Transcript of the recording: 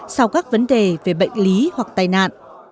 sau các vấn đề về bệnh lý hoặc tai nạn